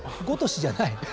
ごとしじゃない。